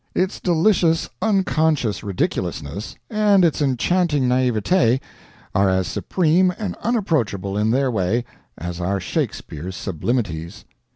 Its delicious unconscious ridiculousness, and its enchanting naivete, are as supreme and unapproachable, in their way, as are Shakespeare's sublimities.